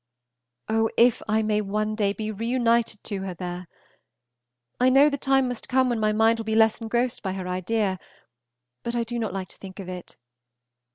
Oh, if I may one day be reunited to her there! I know the time must come when my mind will be less engrossed by her idea, but I do not like to think of it.